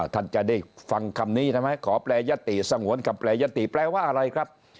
ท่านจะได้ฟังคำนี้ขอแปลยัตติสะหวนคำแปลยัตติแปลว่าอะไรครับ